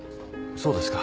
そうですか。